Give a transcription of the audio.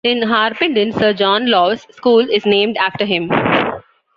In Harpenden, Sir John Lawes School is named after him.